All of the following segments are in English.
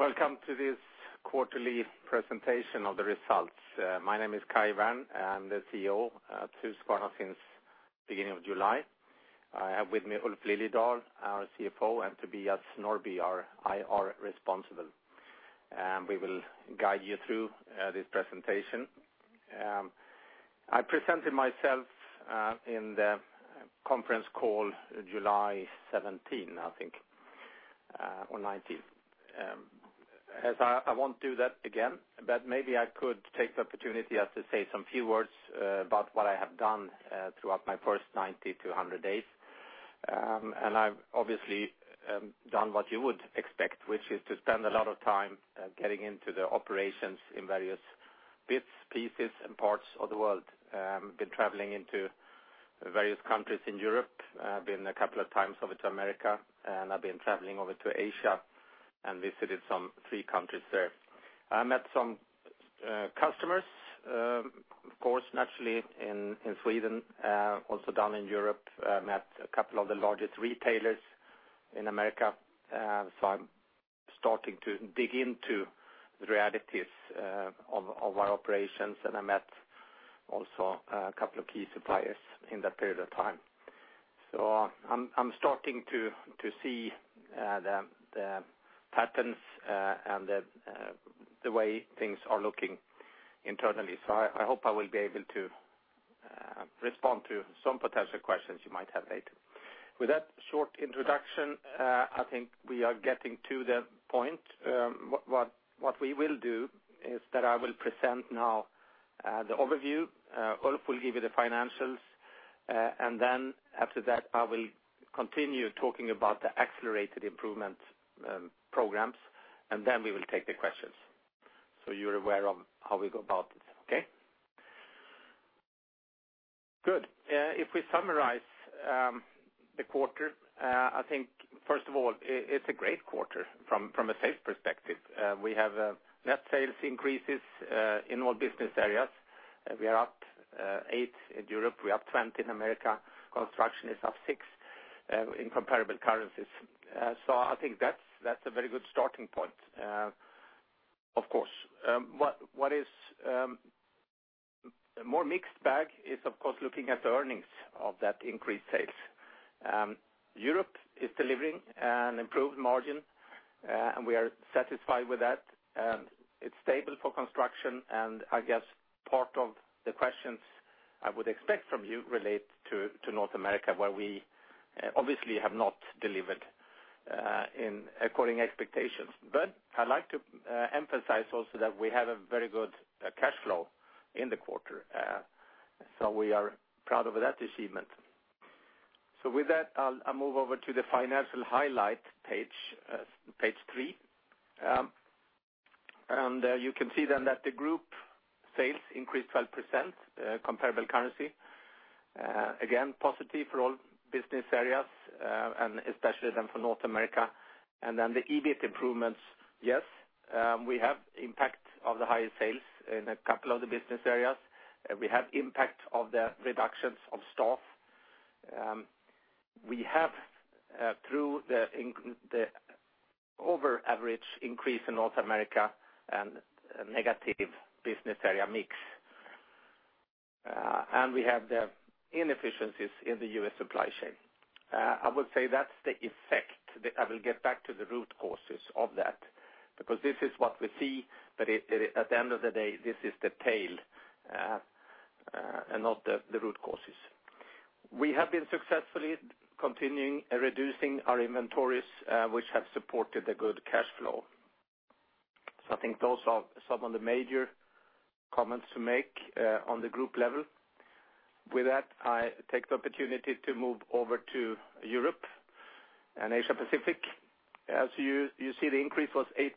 Welcome to this quarterly presentation of the results. My name is Kai Wärn, I'm the CEO to Husqvarna since beginning of July. I have with me Ulf Liljedahl, our CFO, and Tobias Norrby, our IR responsible. We will guide you through this presentation. I presented myself in the conference call July 17, I think, or 19th. As I won't do that again, but maybe I could take the opportunity to say some few words about what I have done throughout my first 90 to 100 days. I've obviously done what you would expect, which is to spend a lot of time getting into the operations in various bits, pieces, and parts of the world. Been traveling into various countries in Europe. I've been a couple of times over to America, and I've been traveling over to Asia and visited three countries there. I met some customers, of course, naturally in Sweden, also down in Europe, met a couple of the largest retailers in America. I'm starting to dig into the realities of our operations, and I met also a couple of key suppliers in that period of time. I'm starting to see the patterns, and the way things are looking internally. I hope I will be able to respond to some potential questions you might have later. With that short introduction, I think we are getting to the point. What we will do is that I will present now the overview. Ulf will give you the financials, after that, I will continue talking about the accelerated improvement programs, we will take the questions. You're aware of how we go about this, okay? Good. If we summarize the quarter, I think, first of all, it's a great quarter from a sales perspective. We have net sales increases in all business areas. We are up 8% in Europe, we are up 20% in America. Construction is up 6% in comparable currencies. I think that's a very good starting point, of course. What is a more mixed bag is, of course, looking at the earnings of that increased sales. Europe is delivering an improved margin, and we are satisfied with that, it's stable for construction, I guess part of the questions I would expect from you relate to North America, where we obviously have not delivered according to expectations. I'd like to emphasize also that we have a very good cash flow in the quarter. We are proud of that achievement. With that, I'll move over to the financial highlight page three. You can see then that the group sales increased 12% in comparable currency. Again, positive for all business areas, and especially then for North America. The EBIT improvements. Yes, we have impact of the higher sales in a couple of the business areas. We have impact of the reductions of staff. We have through the over average increase in North America, a negative business area mix. We have the inefficiencies in the U.S. supply chain. I would say that's the effect. I will get back to the root causes of that, because this is what we see, but at the end of the day, this is the tail, and not the root causes. We have been successfully continuing reducing our inventories, which have supported a good cash flow. I think those are some of the major comments to make on the group level. With that, I take the opportunity to move over to Europe, Asia-Pacific. As you see, the increase was 8%.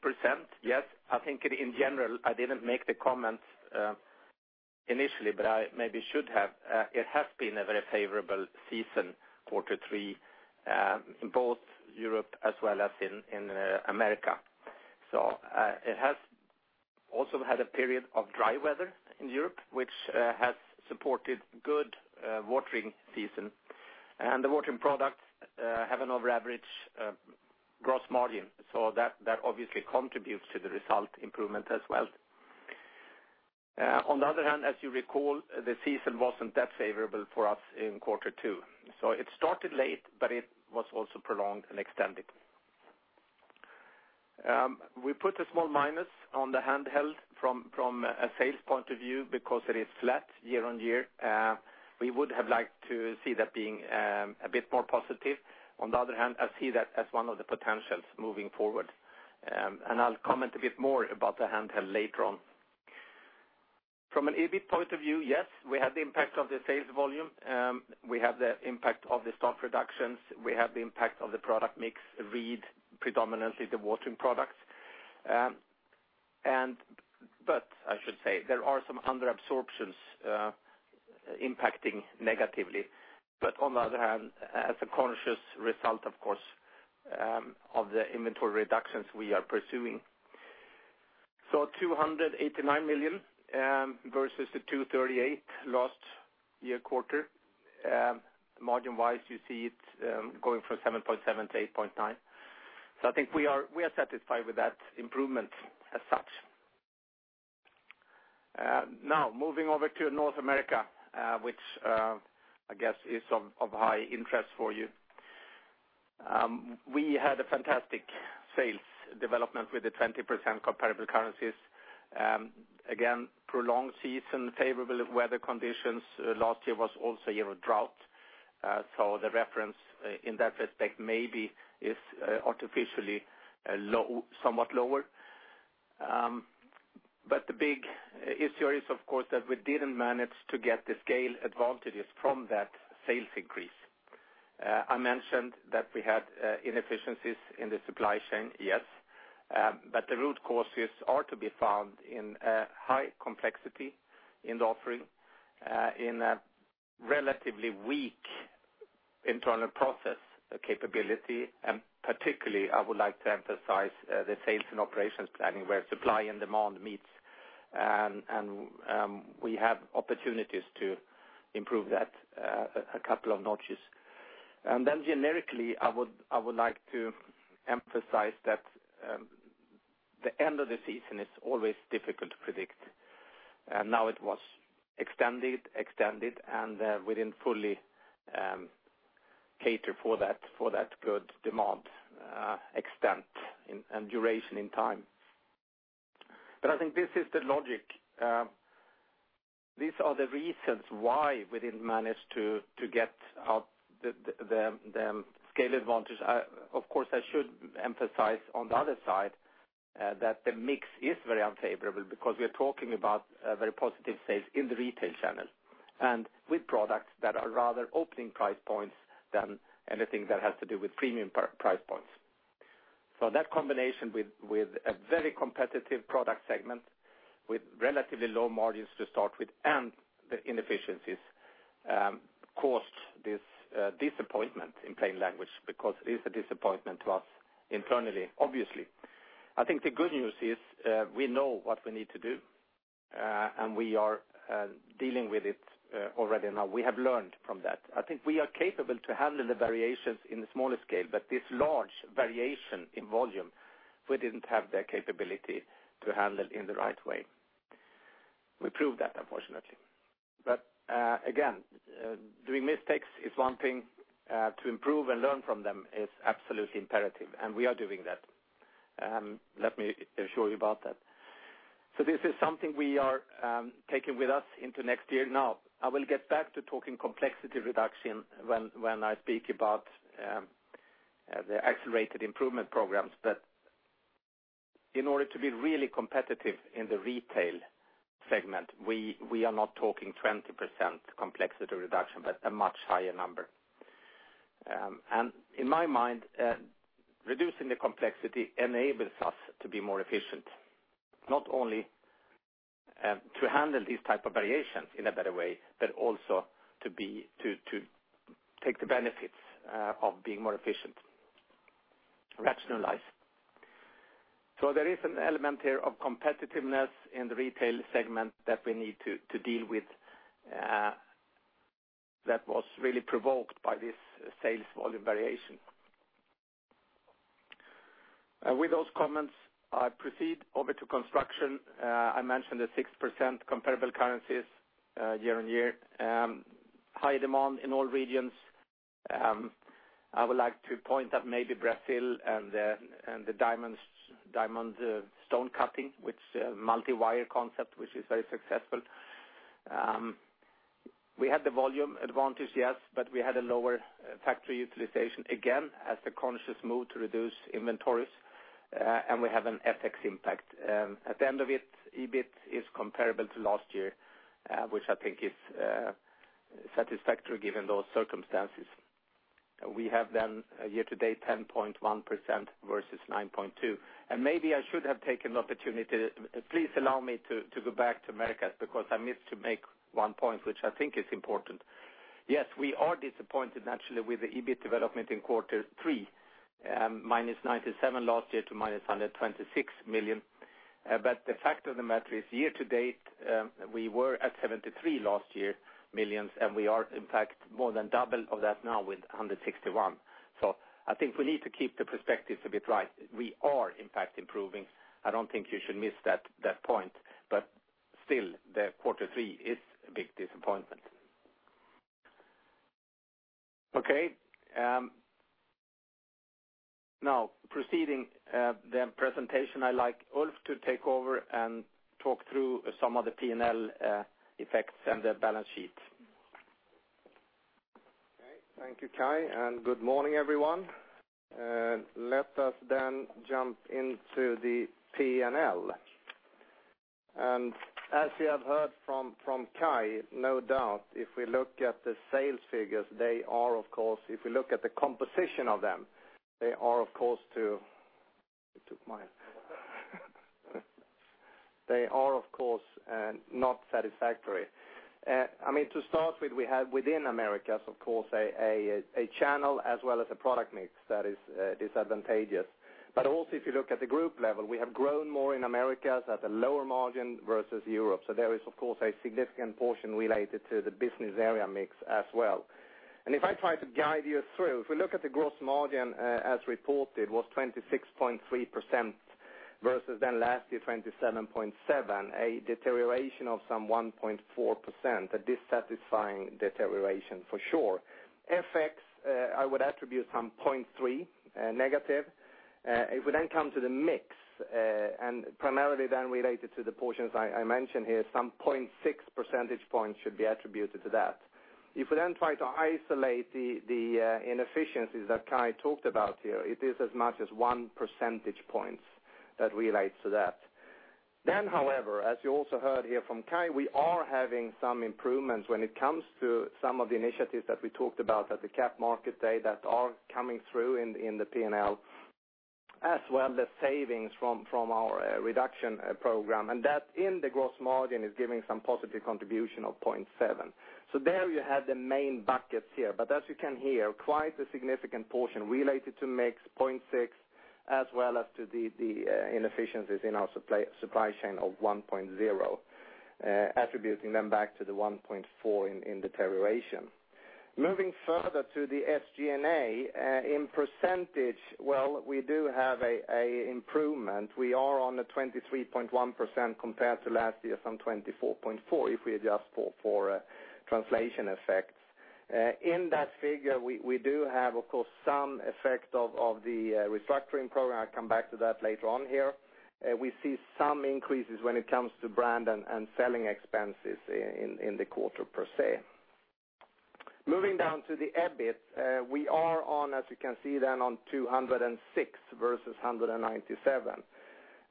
Yes, I think in general, I didn't make the comments initially, but I maybe should have. It has been a very favorable season, Q3, both Europe as well as in America. It has also had a period of dry weather in Europe, which has supported good watering season. The watering products have an over average gross margin. That obviously contributes to the result improvement as well. On the other hand, as you recall, the season wasn't that favorable for us in Q2. It started late, but it was also prolonged and extended. We put a small minus on the handheld from a sales point of view because it is flat year-on-year. We would have liked to see that being a bit more positive. On the other hand, I see that as one of the potentials moving forward. I'll comment a bit more about the handheld later on. From an EBIT point of view, yes, we have the impact of the sales volume. We have the impact of the stock reductions. We have the impact of the product mix read predominantly the watering products. I should say there are some under absorptions impacting negatively. On the other hand, as a conscious result, of course, of the inventory reductions we are pursuing. 289 million versus the 238 million last year's quarter. Margin-wise, you see it going from 7.7% to 8.9%. I think we are satisfied with that improvement as such. Now moving over to North America, which I guess is of high interest for you. We had a fantastic sales development with the 20% comparable currencies. Again, prolonged season, favorable weather conditions. Last year was also year of drought. The reference in that respect maybe is artificially somewhat lower. The big issue is, of course, that we didn't manage to get the scale advantages from that sales increase. I mentioned that we had inefficiencies in the supply chain, yes, the root causes are to be found in high complexity in the offering, in a relatively weak internal process capability, and particularly, I would like to emphasize the sales and operations planning where supply and demand meets, and we have opportunities to improve that a couple of notches. Generically, I would like to emphasize that the end of the season is always difficult to predict, and now it was extended, and we didn't fully cater for that good demand extent and duration in time. I think this is the logic. These are the reasons why we didn't manage to get out the scale advantage. Of course, I should emphasize on the other side that the mix is very unfavorable because we're talking about very positive sales in the retail channel, and with products that are rather opening price points than anything that has to do with premium price points. That combination with a very competitive product segment with relatively low margins to start with, and the inefficiencies caused this disappointment in plain language, because it is a disappointment to us internally, obviously. I think the good news is, we know what we need to do, and we are dealing with it already now. We have learned from that. I think we are capable to handle the variations in the smaller scale, but this large variation in volume, we didn't have the capability to handle in the right way. We proved that, unfortunately. Again, doing mistakes is one thing. To improve and learn from them is absolutely imperative, and we are doing that. Let me assure you about that. This is something we are taking with us into next year. Now, I will get back to talking complexity reduction when I speak about the accelerated improvement programs. In order to be really competitive in the retail segment, we are not talking 20% complexity reduction, but a much higher number. In my mind, reducing the complexity enables us to be more efficient, not only to handle these type of variations in a better way, but also to take the benefits of being more efficient, rationalize. There is an element here of competitiveness in the retail segment that we need to deal with that was really provoked by this sales volume variation. With those comments, I proceed over to construction. I mentioned the 6% comparable currencies year-on-year. High demand in all regions. I would like to point out maybe Brazil and the diamond stone cutting, which multi-wire concept, which is very successful. We had the volume advantage, yes, we had a lower factory utilization again as a conscious move to reduce inventories, and we have an FX impact. At the end of it, EBIT is comparable to last year, which I think is satisfactory given those circumstances. We have a year-to-date 10.1% versus 9.2%. Maybe I should have taken the opportunity. Please allow me to go back to Americas, because I missed to make one point, which I think is important. Yes, we are disappointed naturally with the EBIT development in Q3, -97 million last year to -126 million. The fact of the matter is year-to-date, we were at 73 million last year, and we are in fact more than double of that now with 161 million. I think we need to keep the perspective a bit right. We are in fact improving. I don't think you should miss that point. Still, Q3 is a big disappointment. Okay. Now proceeding the presentation, I'd like Ulf to take over and talk through some of the P&L effects and the balance sheet. Okay. Thank you, Kai, and good morning, everyone. Let us jump into the P&L. As you have heard from Kai, no doubt, if we look at the sales figures, if we look at the composition of them, they are, of course, not satisfactory. To start with, we have within Americas, of course, a channel as well as a product mix that is disadvantageous. Also if you look at the group level, we have grown more in Americas at a lower margin versus Europe. There is, of course, a significant portion related to the business area mix as well. If I try to guide you through, if we look at the gross margin as reported, was 26.3% versus last year, 27.7%, a deterioration of some 1.4%, a dissatisfying deterioration for sure. FX, I would attribute some 0.3 negative. We then come to the mix, and primarily then related to the portions I mentioned here, some 0.6 percentage points should be attributed to that. We then try to isolate the inefficiencies that Kai talked about here, it is as much as 1 percentage point that relates to that. However, as you also heard here from Kai, we are having some improvements when it comes to some of the initiatives that we talked about at the Cap Market Day that are coming through in the P&L, as well the savings from our reduction program. That in the gross margin is giving some positive contribution of 0.7. There you have the main buckets here. As you can hear, quite a significant portion related to mix, 0.6, as well as to the inefficiencies in our supply chain of 1.0, attributing them back to the 1.4 in deterioration. Moving further to the SG&A, in percentage, well, we do have an improvement. We are on a 23.1% compared to last year, some 24.4%, if we adjust for translation effects. In that figure, we do have, of course, some effect of the restructuring program. I'll come back to that later on here. We see some increases when it comes to brand and selling expenses in the quarter per se. Moving down to the EBIT. We are on, as you can see then, on 206 versus 197.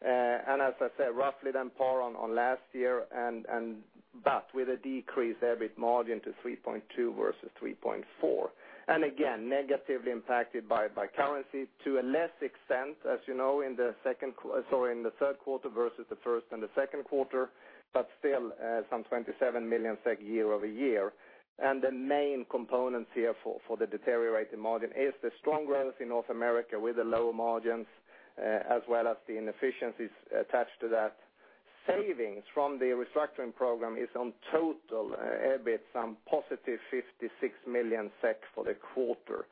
As I said, roughly then par on last year, but with a decreased EBIT margin to 3.2% versus 3.4%. Again, negatively impacted by currency to a less extent, as you know, in the third quarter versus the first and the second quarter, but still some 27 million SEK year-over-year. The main components here for the deteriorating margin is the strong growth in North America with the lower margins, as well as the inefficiencies attached to that. Savings from the restructuring program is on total EBIT, some positive 56 million SEK for the quarter.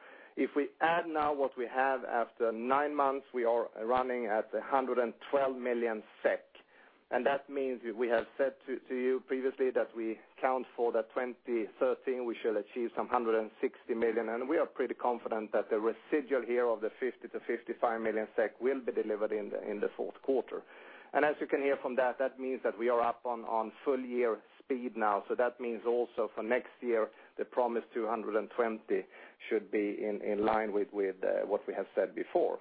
We add now what we have after nine months, we are running at 112 million SEK. That means we have said to you previously that we count for the 2013, we shall achieve some 160 million. We are pretty confident that the residual here of 50 million-55 million SEK will be delivered in the fourth quarter. As you can hear from that means that we are up on full-year speed now. That means also for next year, the promised 220 million should be in line with what we have said before.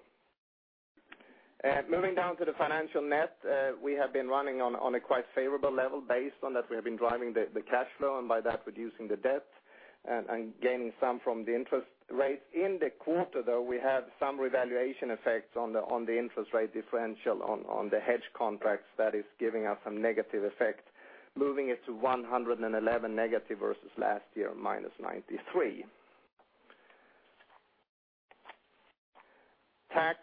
Moving down to the financial net. We have been running on a quite favorable level. Based on that, we have been driving the cash flow, and by that, reducing the debt and gaining some from the interest rates. In the quarter, though, we have some revaluation effects on the interest rate differential on the hedge contracts that is giving us some negative effect, moving it to 111 negative versus last year, minus 93. Tax,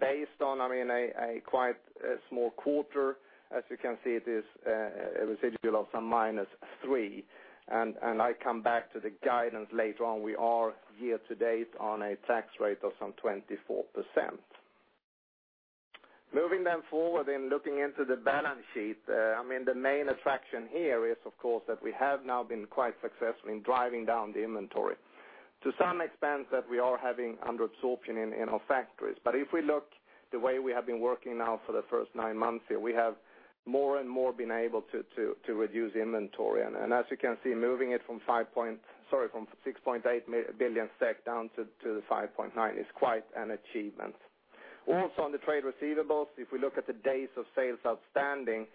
based on a quite small quarter, as you can see, it is a residual of some minus 3. I come back to the guidance later on. We are year to date on a tax rate of some 24%. Moving forward and looking into the balance sheet. The main attraction here is, of course, that we have now been quite successful in driving down the inventory. To some extent that we are having under absorption in our factories. If we look the way we have been working now for the first nine months here, we have more and more been able to reduce inventory. As you can see, moving it from 6.8 billion SEK down to 5.9 billion is quite an achievement. Also on the trade receivables, if we look at the days sales outstanding,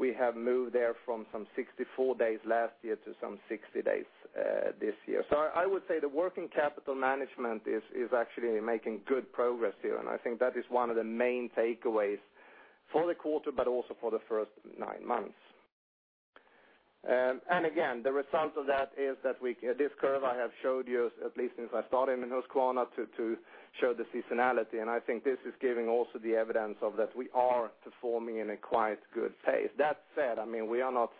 we have moved there from 64 days last year to 60 days this year. I would say the working capital management is actually making good progress here, and I think that is one of the main takeaways for the quarter, but also for the first nine months. Again, the result of that is that this curve I have showed you, at least since I started in Husqvarna, to show the seasonality, and I think this is giving also the evidence of that we are performing in a quite good pace. That said, we are not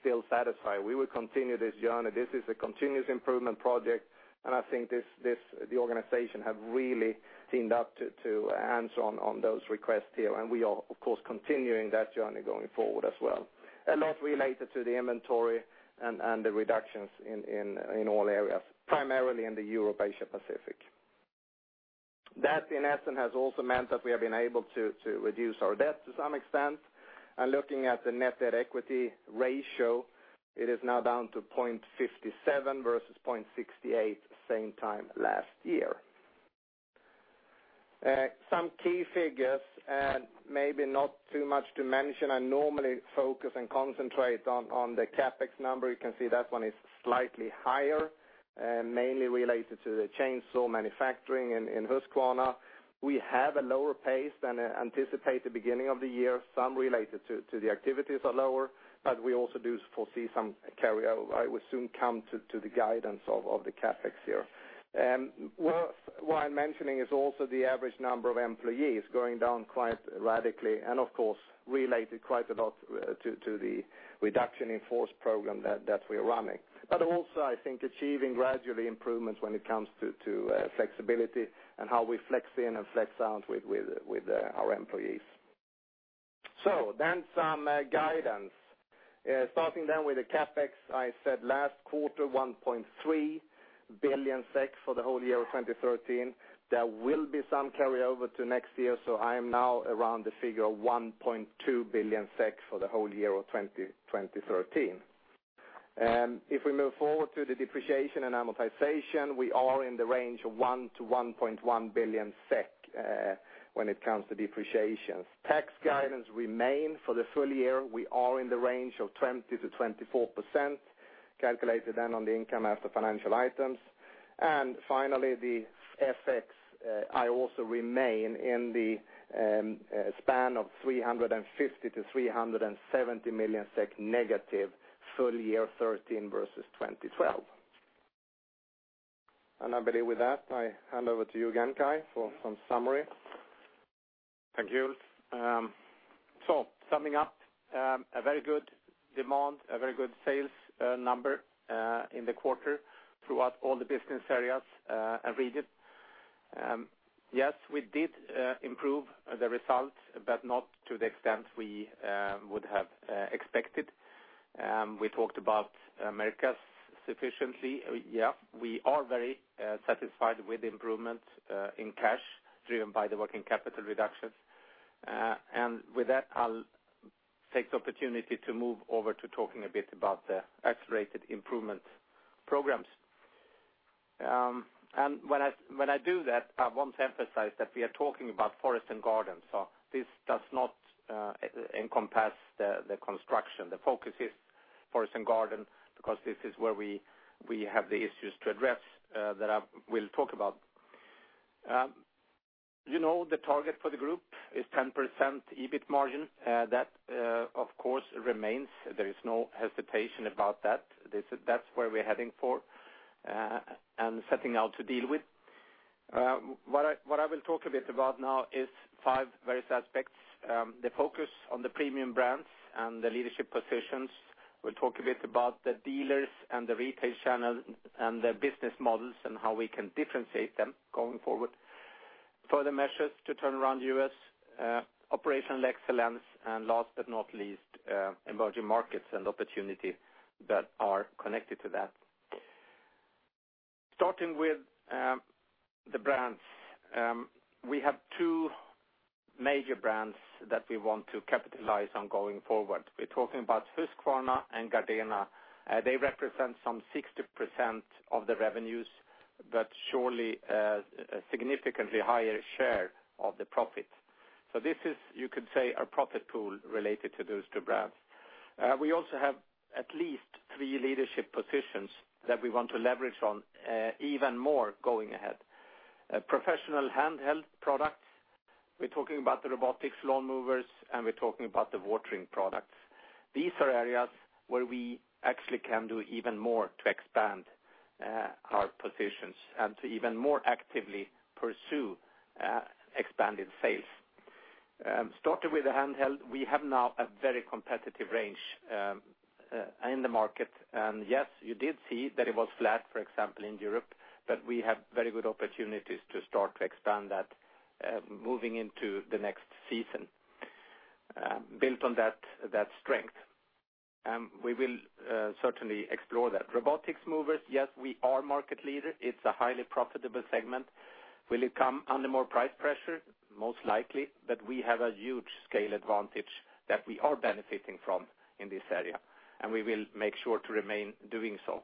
still satisfied. We will continue this journey. This is a continuous improvement project, and I think the organization have really teamed up to answer on those requests here, and we are, of course, continuing that journey going forward as well. A lot related to the inventory and the reductions in all areas, primarily in the Europe, Asia-Pacific. That in essence, has also meant that we have been able to reduce our debt to some extent. Looking at the net debt/equity ratio, it is now down to 0.57 versus 0.68 same time last year. Some key figures, maybe not too much to mention. I normally focus and concentrate on the CapEx number. You can see that one is slightly higher, mainly related to the chainsaw manufacturing in Husqvarna. We have a lower pace than anticipated beginning of the year, some related to the activities are lower, we also do foresee some carryover. I will soon come to the guidance of the CapEx here. Worthwhile mentioning is also the average number of employees going down quite radically and of course related quite a lot to the reduction in force program that we are running. Also, I think achieving gradually improvements when it comes to flexibility and how we flex in and flex out with our employees. Some guidance. Starting with the CapEx, I said last quarter, 1.3 billion SEK for the whole year of 2013. There will be some carryover to next year, I am now around the figure of 1.2 billion SEK for the whole year of 2013. If we move forward to the depreciation and amortization, we are in the range of 1 billion-1.1 billion SEK when it comes to depreciation. Tax guidance remain for the full year. We are in the range of 20%-24%, calculated then on the income after financial items. Finally, the FX, I also remain in the span of 350 million-370 million SEK negative full year 2013 versus 2012. I believe with that, I hand over to you again, Kai, for some summary. Thank you. Summing up, a very good demand, a very good sales number, in the quarter throughout all the business areas, and regions. We did improve the results, but not to the extent we would have expected. We talked about Americas sufficiently. We are very satisfied with the improvement in cash driven by the working capital reductions. With that, I'll take the opportunity to move over to talking a bit about the accelerated improvement programs. When I do that, I want to emphasize that we are talking about forest and garden. This does not encompass the construction. The focus is forest and garden because this is where we have the issues to address that I will talk about. You know the target for the group is 10% EBIT margin. That, of course, remains. There is no hesitation about that. That's where we're heading for, and setting out to deal with. What I will talk a bit about now is five various aspects. The focus on the premium brands and the leadership positions. We'll talk a bit about the dealers and the retail channel and their business models and how we can differentiate them going forward. Further measures to turn around U.S. operational excellence, and last but not least, emerging markets and opportunities that are connected to that. Starting with the brands. We have two major brands that we want to capitalize on going forward. We're talking about Husqvarna and Gardena. They represent some 60% of the revenues, but surely a significantly higher share of the profit. This is, you could say, a profit pool related to those two brands. We also have at least three leadership positions that we want to leverage on even more going ahead. Professional handheld products, we're talking about the robotic mowers, and we're talking about the watering products. These are areas where we actually can do even more to expand our positions and to even more actively pursue expanded sales. Starting with the handheld, we have now a very competitive range in the market. You did see that it was flat, for example, in Europe, but we have very good opportunities to start to expand that moving into the next season. Built on that strength. We will certainly explore that. Robotic mowers, we are market leader. It's a highly profitable segment. Will it come under more price pressure? Most likely. We have a huge scale advantage that we are benefiting from in this area, and we will make sure to remain doing so.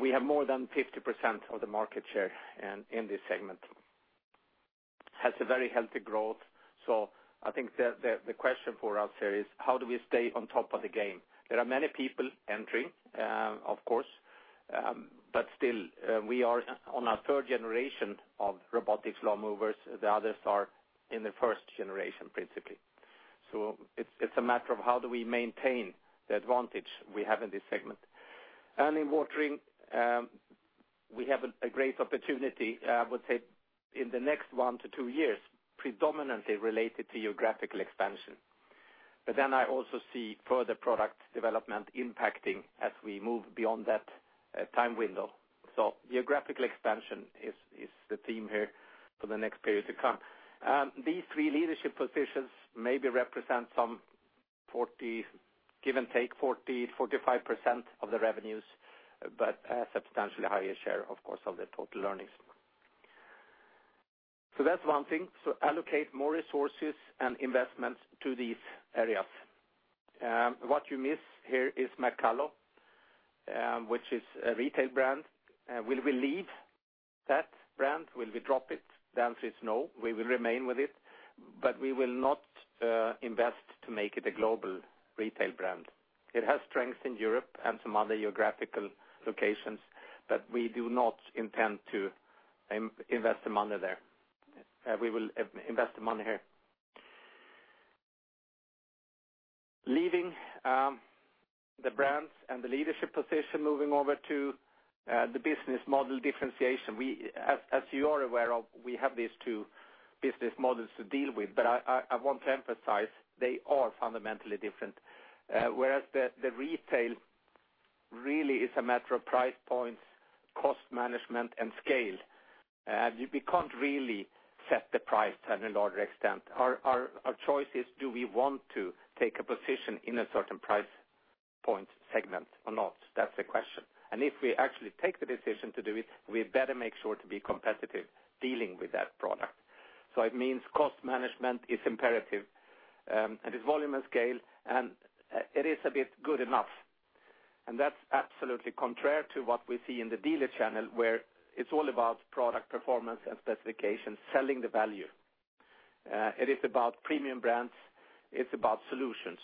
We have more than 50% of the market share in this segment. Has a very healthy growth. I think the question for us here is how do we stay on top of the game? There are many people entering, of course. Still, we are on our third generation of robotic mowers. The others are in the first generation, principally. It's a matter of how do we maintain the advantage we have in this segment. In watering, we have a great opportunity, I would say, in the next one to two years, predominantly related to geographical expansion. I also see further product development impacting as we move beyond that time window. Geographical expansion is the theme here for the next period to come. These three leadership positions maybe represent some, give and take, 40, 45% of the revenues, but a substantially higher share, of course, of the total earnings. That's one thing. Allocate more resources and investments to these areas. What you miss here is McCulloch, which is a retail brand. Will we leave that brand? Will we drop it? The answer is no. We will remain with it, but we will not invest to make it a global retail brand. It has strength in Europe and some other geographical locations, but we do not intend to invest the money there. We will invest the money here. Leaving the brands and the leadership position, moving over to the business model differentiation. As you are aware of, we have these two business models to deal with, but I want to emphasize they are fundamentally different. Whereas the retail really is a matter of price points, cost management, and scale. We can't really set the price to any large extent. Our choice is, do we want to take a position in a certain price point segment or not? That's the question. If we actually take the decision to do it, we better make sure to be competitive dealing with that product. It means cost management is imperative, and it's volume and scale, and it is a bit good enough. That's absolutely contrary to what we see in the dealer channel, where it's all about product performance and specifications, selling the value. It is about premium brands. It's about solutions.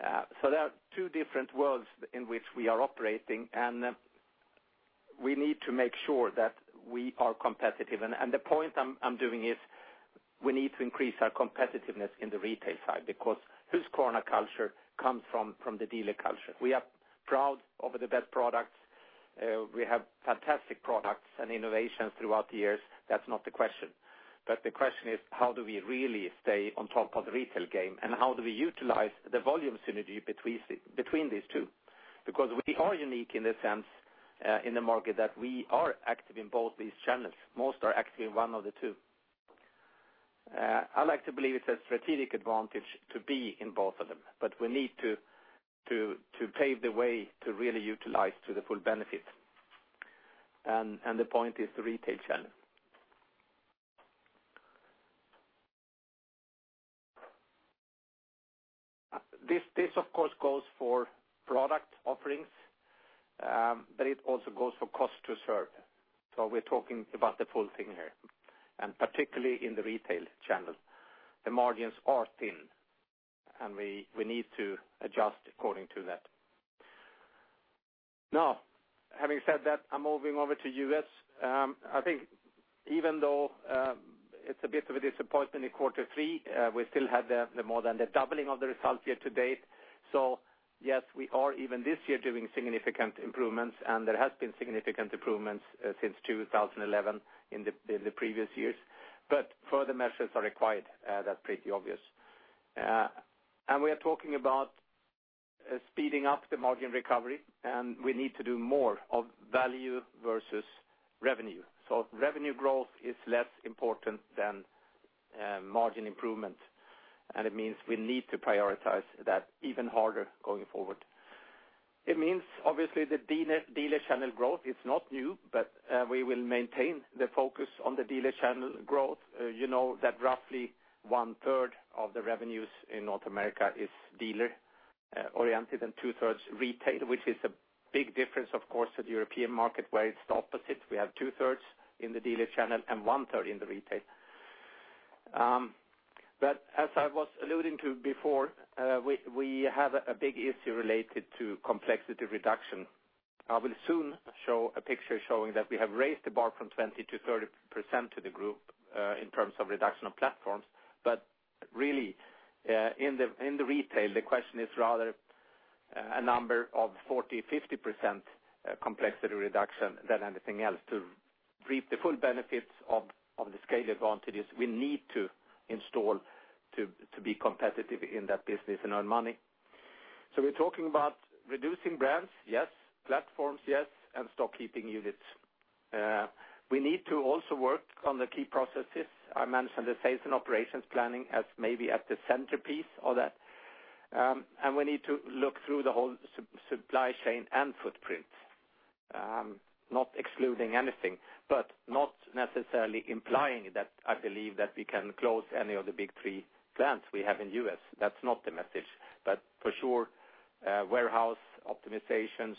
There are two different worlds in which we are operating, and we need to make sure that we are competitive. The point I'm doing is we need to increase our competitiveness in the retail side, because Husqvarna culture comes from the dealer culture. We are proud of the best products. We have fantastic products and innovations throughout the years. That's not the question. The question is, how do we really stay on top of the retail game, and how do we utilize the volume synergy between these two? We are unique in the sense in the market that we are active in both these channels. Most are active in one of the two. I like to believe it's a strategic advantage to be in both of them, but we need to pave the way to really utilize to the full benefit. The point is the retail channel. This, of course, goes for product offerings, but it also goes for cost to serve. We're talking about the full thing here, and particularly in the retail channel. The margins are thin, and we need to adjust according to that. Having said that, I'm moving over to U.S. Even though it's a bit of a disappointment in quarter three, we still had more than the doubling of the results here to date. Yes, we are even this year doing significant improvements, and there has been significant improvements since 2011 in the previous years. Further measures are required, that's pretty obvious. We are talking about speeding up the margin recovery, and we need to do more of value versus revenue. Revenue growth is less important than margin improvement, and it means we need to prioritize that even harder going forward. It means obviously the dealer channel growth is not new, but we will maintain the focus on the dealer channel growth. You know that roughly one-third of the revenues in North America is dealer-oriented and two-thirds retail, which is a big difference, of course, to the European market, where it's the opposite. We have two-thirds in the dealer channel and one-third in the retail. As I was alluding to before, we have a big issue related to complexity reduction. I will soon show a picture showing that we have raised the bar from 20% to 30% to the group in terms of reduction of platforms. Really, in the retail, the question is rather a number of 40%, 50% complexity reduction than anything else to reap the full benefits of the scale advantages we need to install to be competitive in that business and earn money. We're talking about reducing brands, yes. Platforms, yes, and stock keeping units. We need to also work on the key processes. I mentioned the sales and operations planning as maybe at the centerpiece of that. We need to look through the whole supply chain and footprint. Not excluding anything, but not necessarily implying that I believe that we can close any of the big three plants we have in U.S. That's not the message. For sure, warehouse optimizations,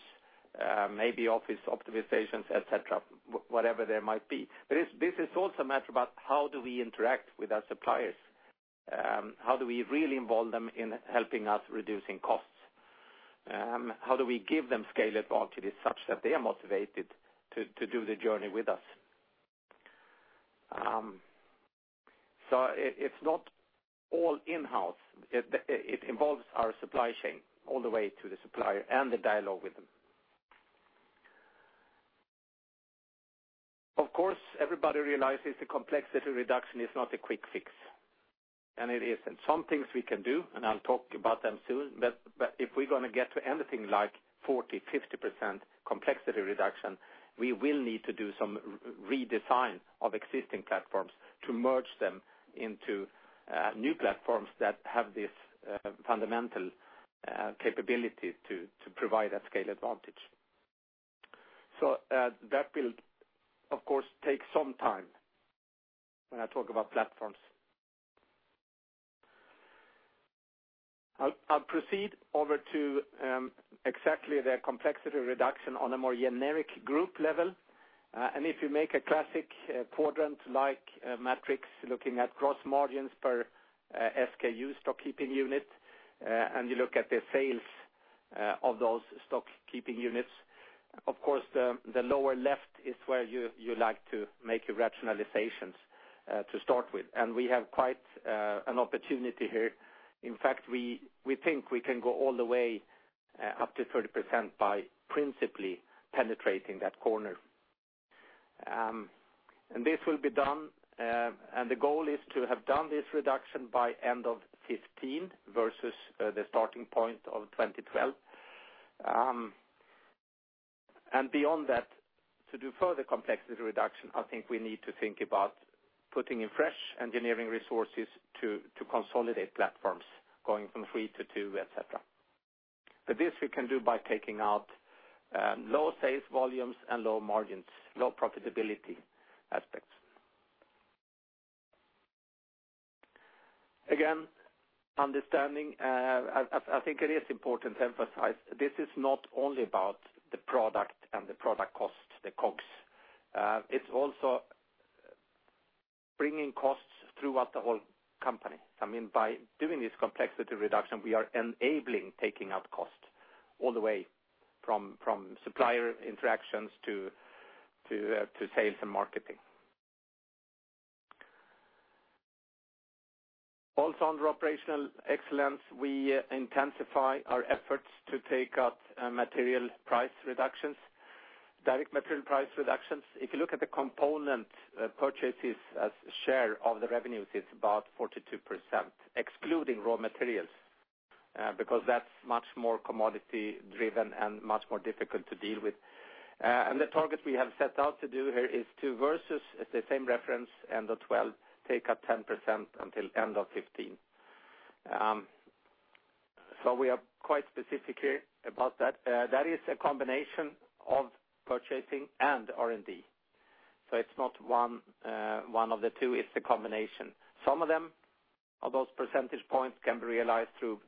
maybe office optimizations, et cetera, whatever there might be. This is also a matter about how do we interact with our suppliers? How do we really involve them in helping us reducing costs? How do we give them scale advantages such that they are motivated to do the journey with us? It's not all in-house. It involves our supply chain all the way to the supplier and the dialogue with them. Of course, everybody realizes the complexity reduction is not a quick fix, and it isn't. Some things we can do, and I'll talk about them soon. If we're going to get to anything like 40%, 50% complexity reduction, we will need to do some redesign of existing platforms to merge them into new platforms that have this fundamental capability to provide a scale advantage. That will, of course, take some time when I talk about platforms I'll proceed over to exactly the complexity reduction on a more generic group level. If you make a classic quadrant-like matrix looking at gross margins per SKU, stock keeping unit, and you look at the sales of those stock keeping units, of course, the lower left is where you like to make your rationalizations to start with. We have quite an opportunity here. In fact, we think we can go all the way up to 30% by principally penetrating that corner. This will be done, and the goal is to have done this reduction by end of 2015 versus the starting point of 2012. Beyond that, to do further complexity reduction, I think we need to think about putting in fresh engineering resources to consolidate platforms, going from three to two, et cetera. This we can do by taking out low sales volumes and low margins, low profitability aspects. Again, understanding, I think it is important to emphasize, this is not only about the product and the product cost, the COGS. It's also bringing costs throughout the whole company. By doing this complexity reduction, we are enabling taking out costs all the way from supplier interactions to sales and marketing. Also, under operational excellence, we intensify our efforts to take out material price reductions, direct material price reductions. If you look at the component purchases as share of the revenues, it's about 42%, excluding raw materials, because that's much more commodity-driven and much more difficult to deal with. The target we have set out to do here is to, versus the same reference, end of 2012, take up 10% until end of 2015. We are quite specific here about that. That is a combination of purchasing and R&D. It's not one of the two, it's the combination. Some of them, of those percentage points, can be realized through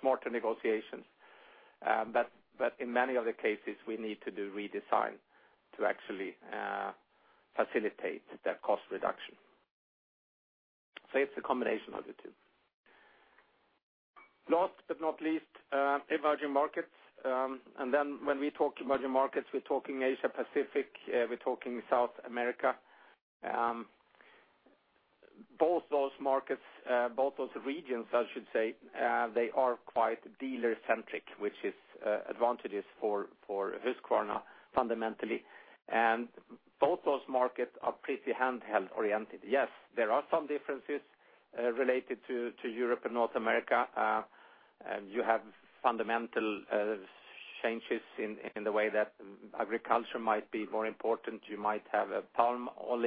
smarter negotiations. In many other cases, we need to do redesign to actually facilitate that cost reduction. It's a combination of the two. Last but not least, emerging markets. When we talk emerging markets, we're talking Asia-Pacific, we're talking South America. Both those markets, both those regions, I should say, they are quite dealer-centric, which is advantageous for Husqvarna fundamentally. Both those markets are pretty handheld-oriented. Yes, there are some differences related to Europe and North America. You have fundamental changes in the way that agriculture might be more important. You might have palm oil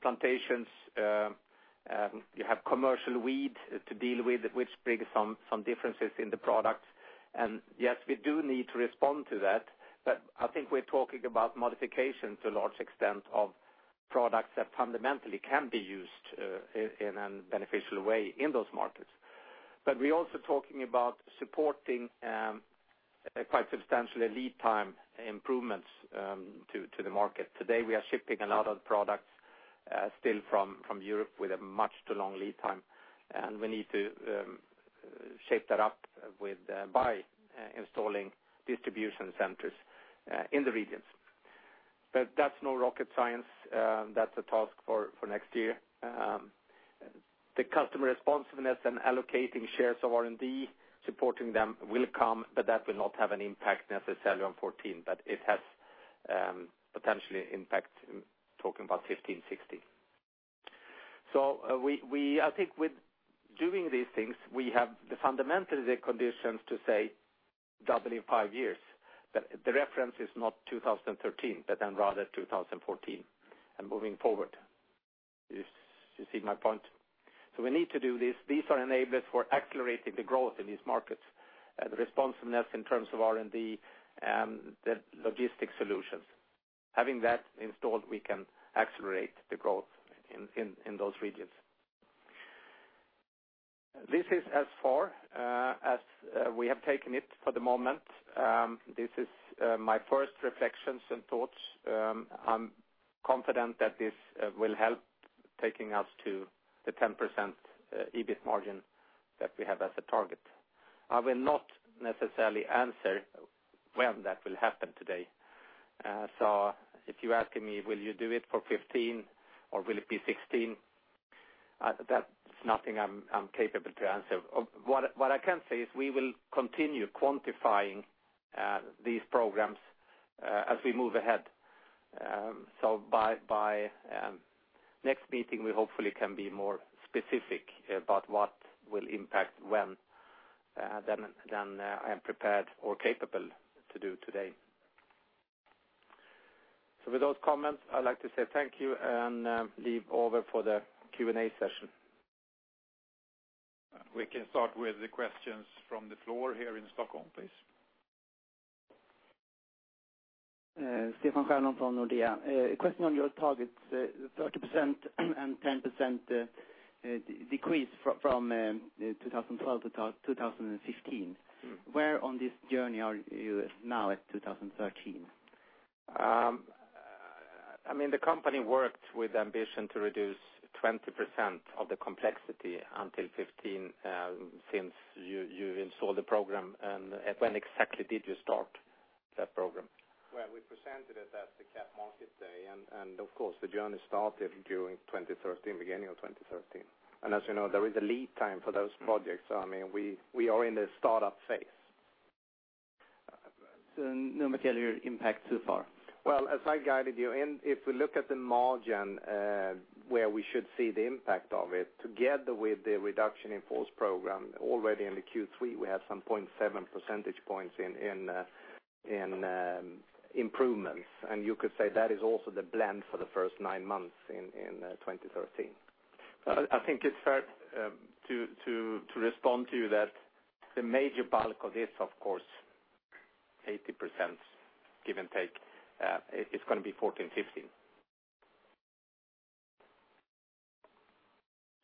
plantations. You have commercial weed to deal with, which brings some differences in the product. Yes, we do need to respond to that, I think we're talking about modification to a large extent of products that fundamentally can be used in a beneficial way in those markets. We're also talking about supporting quite substantial lead time improvements to the market. Today, we are shipping a lot of products still from Europe with a much too long lead time, we need to shape that up by installing distribution centers in the regions. That's no rocket science. That's a task for next year. The customer responsiveness and allocating shares of R&D supporting them will come, that will not have an impact necessarily on 2014, it has potential impact talking about 2015, 2016. I think with doing these things, we have the fundamental conditions to say double in five years. The reference is not 2013, rather 2014 and moving forward. You see my point? We need to do this. These are enablers for accelerating the growth in these markets, the responsiveness in terms of R&D and the logistic solutions. Having that installed, we can accelerate the growth in those regions. This is as far as we have taken it for the moment. This is my first reflections and thoughts. I'm confident that this will help taking us to the 10% EBIT margin that we have as a target. I will not necessarily answer when that will happen today. If you're asking me, will you do it for 2015 or will it be 2016? That's nothing I'm capable to answer. What I can say is we will continue quantifying these programs as we move ahead. By next meeting, we hopefully can be more specific about what will impact when than I am prepared or capable to do today. With those comments, I'd like to say thank you and leave over for the Q&A session. We can start with the questions from the floor here in Stockholm, please. Stefan Stjernholm from Nordea. A question on your targets, 30% and 10% decrease from 2012 to 2015. Where on this journey are you now at 2013? The company worked with the ambition to reduce 20% of the complexity until 2015, since you installed the program. When exactly did you start that program? Well, we presented it at the Capital Markets Day. Of course, the journey started during beginning of 2013. As you know, there is a lead time for those projects. We are in the startup phase. No material impact so far? Well, as I guided you in, if we look at the margin, where we should see the impact of it together with the reduction in force program already in the Q3, we have some 0.7 percentage points in improvements. You could say that is also the blend for the first nine months in 2013. I think it's fair to respond to you that the major bulk of this, of course, 80%, give and take, it's going to be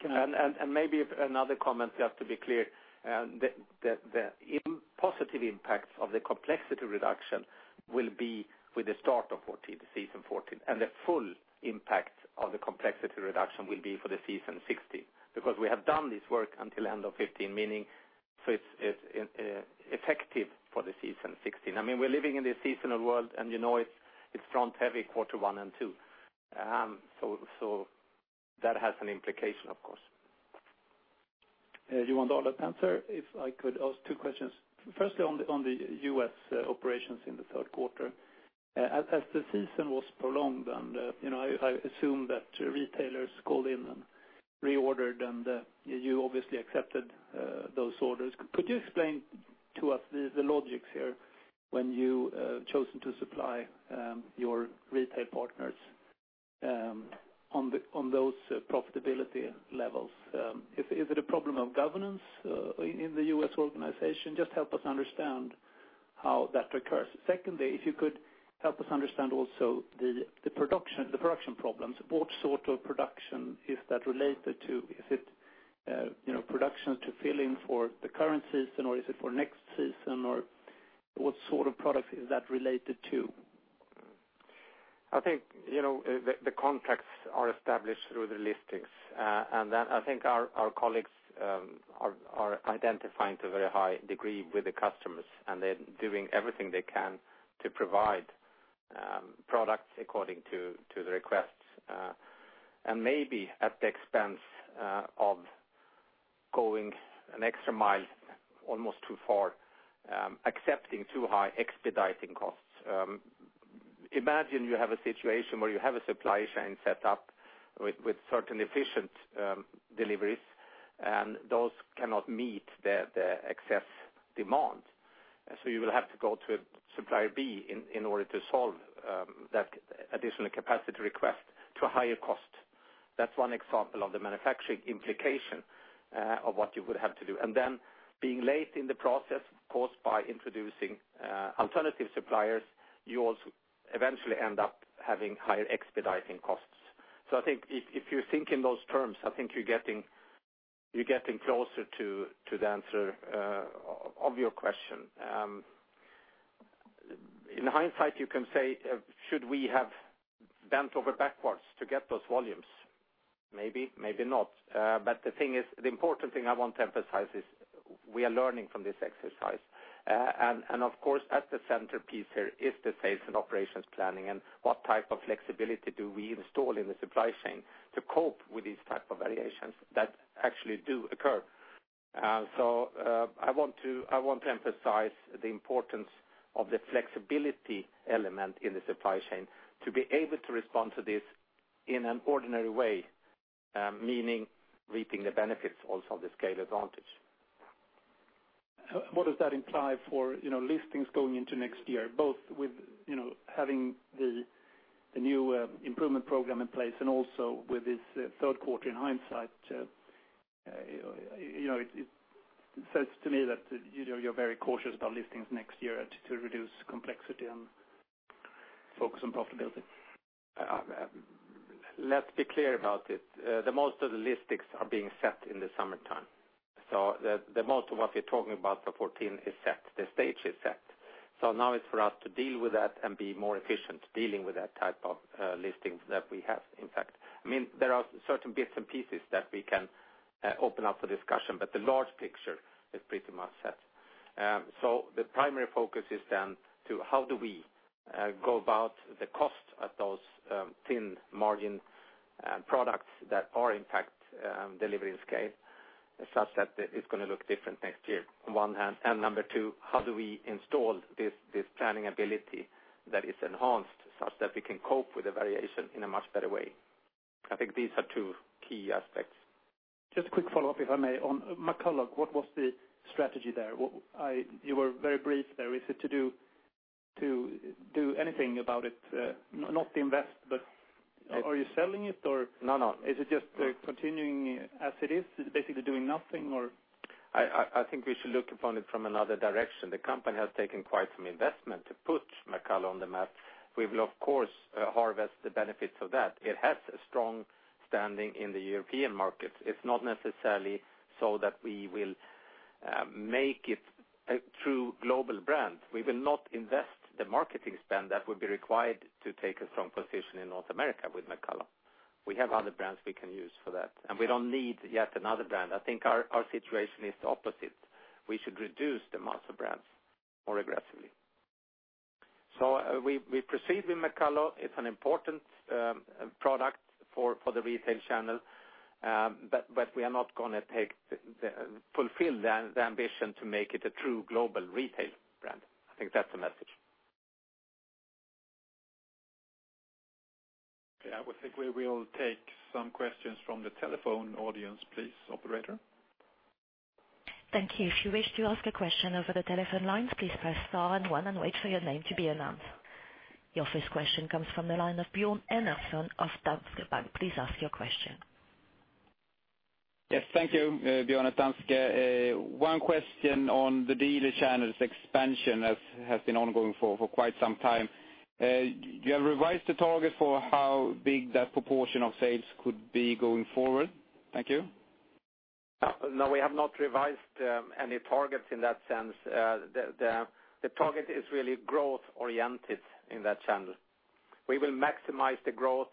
2014, 2015. Maybe another comment, just to be clear, the positive impacts of the complexity reduction will be with the start of season 2014, and the full impact of the complexity reduction will be for the season 2016, because we have done this work until end of 2015, meaning it's effective for the season 2016. We're living in this seasonal world, and it's front-heavy quarter one and two. That has an implication, of course. You want Ola to answer? If I could ask two questions. Firstly, on the U.S. operations in the third quarter. As the season was prolonged, I assume that retailers called in and reordered and you obviously accepted those orders. Could you explain to us the logics here when you chosen to supply your retail partners on those profitability levels? Is it a problem of governance in the U.S. organization? Just help us understand how that occurs. Secondly, if you could help us understand also the production problems. What sort of production is that related to? Is it production to fill in for the current season, or is it for next season, or what sort of products is that related to? I think, the contracts are established through the listings. Then I think our colleagues are identifying to a very high degree with the customers, they're doing everything they can to provide products according to the requests. Maybe at the expense of going an extra mile, almost too far, accepting too high expediting costs. Imagine you have a situation where you have a supply chain set up with certain efficient deliveries, those cannot meet the excess demand. You will have to go to supplier B in order to solve that additional capacity request to a higher cost. That's one example of the manufacturing implication of what you would have to do. Then being late in the process caused by introducing alternative suppliers, you also eventually end up having higher expediting costs. I think if you think in those terms, I think you're getting closer to the answer of your question. In hindsight, you can say, should we have bent over backwards to get those volumes? Maybe, maybe not. The important thing I want to emphasize is we are learning from this exercise. Of course, at the centerpiece here is the sales and operations planning and what type of flexibility do we install in the supply chain to cope with these type of variations that actually do occur. I want to emphasize the importance of the flexibility element in the supply chain to be able to respond to this in an ordinary way, meaning reaping the benefits also of the scale advantage. What does that imply for listings going into next year, both with having the new improvement program in place and also with this third quarter in hindsight? It says to me that you're very cautious about listings next year to reduce complexity and focus on profitability. Let's be clear about it. The most of the listings are being set in the summertime. The most of what we're talking about for 2014 is set. The stage is set. Now it's for us to deal with that and be more efficient dealing with that type of listings that we have, in fact. There are certain bits and pieces that we can open up for discussion, the large picture is pretty much set. The primary focus is then to how do we go about the cost of those thin margin products that are in fact delivering scale, such that it's going to look different next year on one hand. Number 2, how do we install this planning ability that is enhanced such that we can cope with the variation in a much better way? I think these are two key aspects. Just a quick follow-up, if I may. On McCulloch, what was the strategy there? You were very brief there. Is it to do anything about it? Not invest. Are you selling it? No. Is it just continuing as it is? Basically doing nothing? I think we should look upon it from another direction. The company has taken quite some investment to put McCulloch on the map. We will, of course, harvest the benefits of that. It has a strong standing in the European markets. It is not necessarily so that we will make it a true global brand. We will not invest the marketing spend that would be required to take a strong position in North America with McCulloch. We have other brands we can use for that, and we don't need yet another brand. I think our situation is the opposite. We should reduce the amount of brands more aggressively. We proceed with McCulloch. It is an important product for the retail channel. We are not going to fulfill the ambition to make it a true global retail brand. I think that's the message. Okay. I think we will take some questions from the telephone audience, please, operator. Thank you. If you wish to ask a question over the telephone lines, please press star and one and wait for your name to be announced. Your first question comes from the line of Björn Enarson of Danske Bank. Please ask your question. Yes, thank you. Björn at Danske. One question on the dealer channels expansion, as has been ongoing for quite some time. You have revised the target for how big that proportion of sales could be going forward? Thank you. No, we have not revised any targets in that sense. The target is really growth-oriented in that channel. We will maximize the growth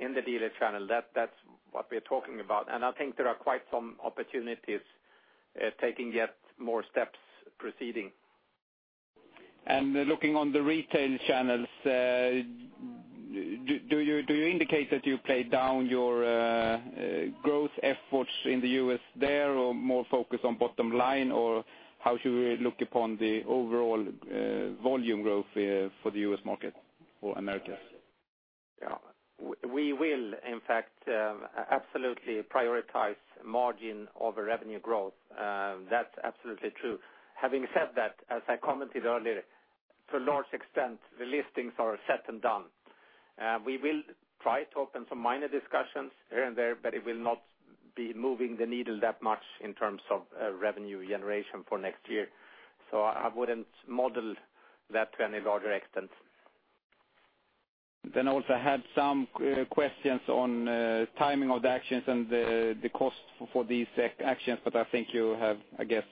in the dealer channel. That's what we're talking about, I think there are quite some opportunities taking yet more steps proceeding. Looking on the retail channels, do you indicate that you played down your growth efforts in the U.S. there or more focused on bottom line, or how should we look upon the overall volume growth for the U.S. market or Americas? We will, in fact, absolutely prioritize margin over revenue growth. That's absolutely true. Having said that, as I commented earlier, to a large extent, the listings are set and done. We will try to open some minor discussions here and there, but it will not be moving the needle that much in terms of revenue generation for next year, so I wouldn't model that to any larger extent. I also had some questions on timing of the actions and the cost for these actions, but I think you have, I guess,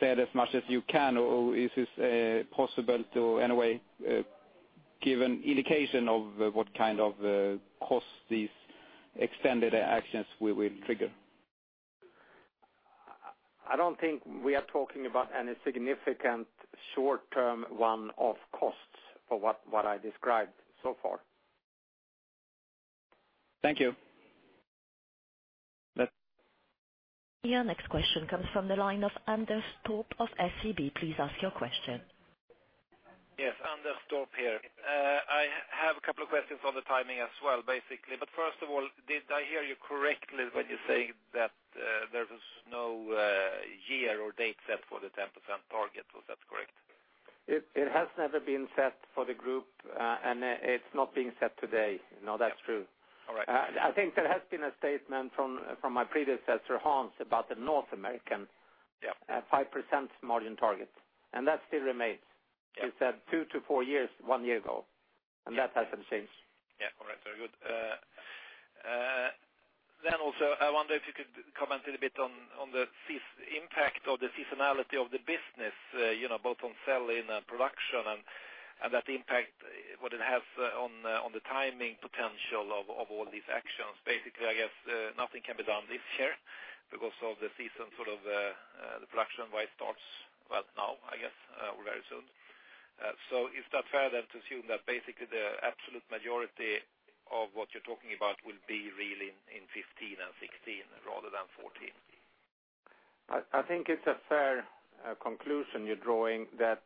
said as much as you can, or is this possible to, in a way, give an indication of what kind of cost these extended actions will trigger? I don't think we are talking about any significant short-term one-off costs for what I described so far. Thank you. Your next question comes from the line of Anders Torp of SEB. Please ask your question. Yes, Anders Torp here. I have a couple of questions on the timing as well, basically. First of all, did I hear you correctly when you say that there was no year or date set for the 10% target, was that correct? It has never been set for the group, and it's not being set today. No, that's true. All right. I think there has been a statement from my predecessor, Hans, about the North American- Yeah. 5% margin target, that still remains. Yeah. He said two to four years, one year ago, that hasn't changed. Yeah. All right. Very good. Also, I wonder if you could comment a little bit on the impact of the seasonality of the business, both on selling and production and that impact, what it has on the timing potential of all these actions. Basically, I guess, nothing can be done this year because of the season, the production-wise starts right now, I guess, or very soon. Is that fair then to assume that basically the absolute majority of what you're talking about will be really in 2015 and 2016 rather than 2014? I think it's a fair conclusion you're drawing that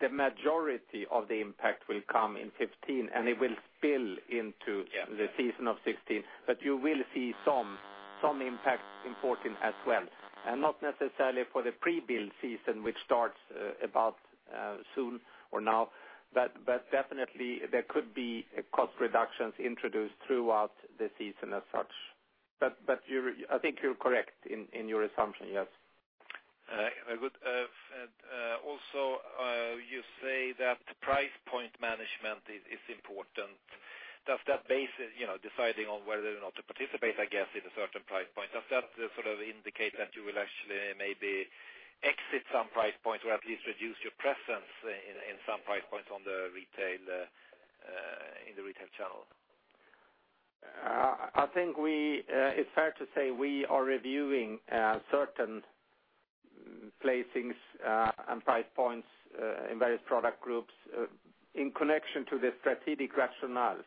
the majority of the impact will come in 2015. It will spill into- Yeah. -the season of 2016, but you will see some impact in 2014 as well, and not necessarily for the pre-bill season, which starts about soon or now. Definitely there could be cost reductions introduced throughout the season as such. I think you're correct in your assumption, yes. Very good. You say that price point management is important. Does that basis, deciding on whether or not to participate, I guess, in a certain price point, does that indicate that you will actually maybe exit some price point or at least reduce your presence in some price points in the retail channel? I think it's fair to say we are reviewing certain placings and price points in various product groups in connection to the strategic rationale.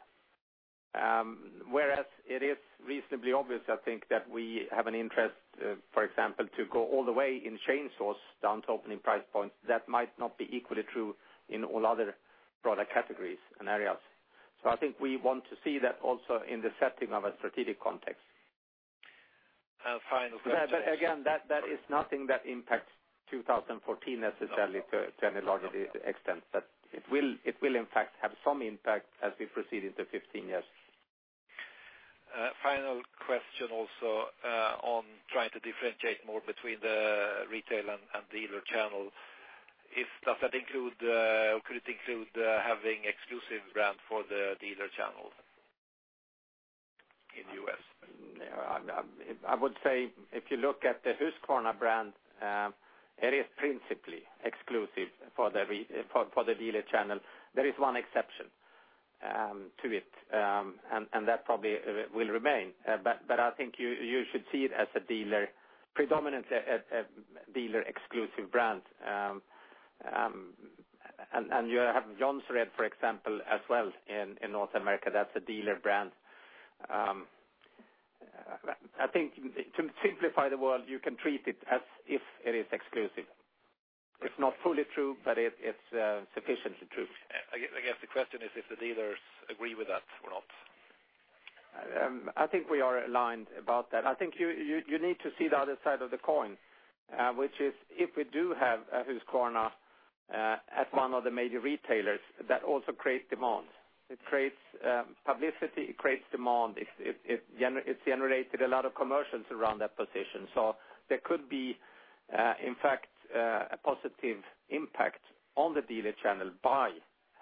It is reasonably obvious, I think, that we have an interest, for example, to go all the way in chainsaws down to opening price point, that might not be equally true in all other product categories and areas. I think we want to see that also in the setting of a strategic context. A final question- Again, that is nothing that impacts 2014 necessarily to any large extent. It will in fact have some impact as we proceed into 2015, yes. Final question also on trying to differentiate more between the retail and dealer channel. Could it include having exclusive brand for the dealer channel in U.S.? I would say if you look at the Husqvarna brand, it is principally exclusive for the dealer channel. There is one exception to it, and that probably will remain. I think you should see it as predominantly a dealer-exclusive brand. You have Jonsered, for example, as well in North America. That's a dealer brand. I think to simplify the world, you can treat it as if it is exclusive. It's not fully true, but it's sufficiently true. I guess the question is if the dealers agree with that or not. I think we are aligned about that. I think you need to see the other side of the coin, which is if we do have a Husqvarna at one of the major retailers, that also creates demand. It creates publicity, it creates demand. It's generated a lot of commercials around that position. There could be, in fact, a positive impact on the dealer channel by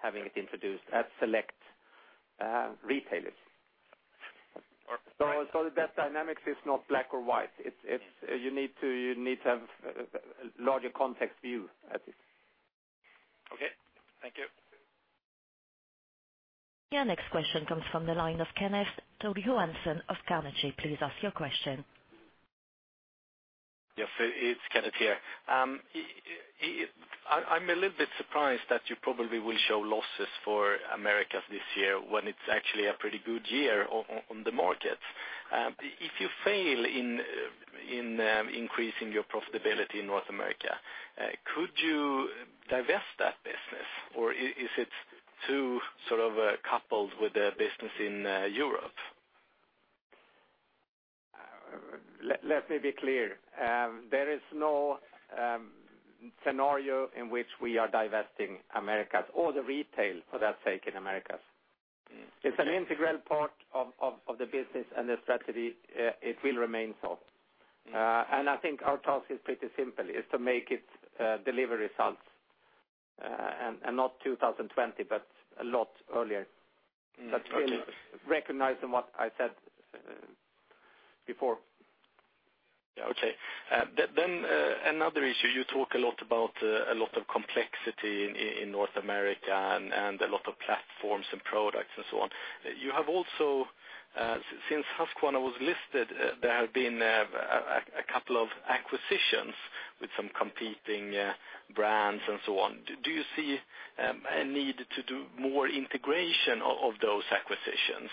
having it introduced at select retailers. Perfect. That dynamic is not black or white. You need to have a larger context view at it. Okay. Thank you. Your next question comes from the line of Kenneth Toll Johansson of Carnegie. Please ask your question. Yes. It's Kenneth here. I'm a little bit surprised that you probably will show losses for Americas this year when it's actually a pretty good year on the market. If you fail in increasing your profitability in North America, could you divest that business or is it too sort of coupled with the business in Europe? Let me be clear. There is no scenario in which we are divesting Americas or the retail, for that sake, in Americas. It's an integral part of the business and the strategy. It will remain so. I think our task is pretty simple, is to make it deliver results, not 2020, but a lot earlier. Really recognizing what I said before. Yeah. Okay. Another issue, you talk a lot about a lot of complexity in North America and a lot of platforms and products and so on. You have also, since Husqvarna was listed, there have been a couple of acquisitions with some competing brands and so on. Do you see a need to do more integration of those acquisitions?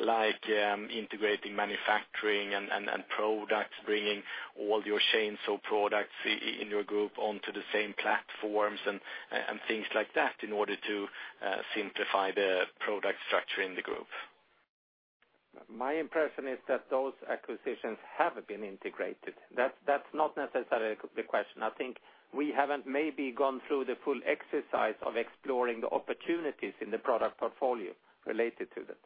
Like integrating manufacturing and products, bringing all your chainsaw products in your group onto the same platforms and things like that in order to simplify the product structure in the group? My impression is that those acquisitions have been integrated. That's not necessarily the question. I think we haven't maybe gone through the full exercise of exploring the opportunities in the product portfolio related to that.